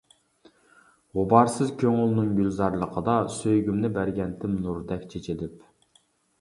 غۇبارسىز كۆڭۈلنىڭ گۈلزارلىقىدا، سۆيگۈمنى بەرگەنتىم نۇردەك چېچىلىپ.